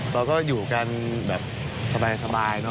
เราก็อยู่กันแบบสบาย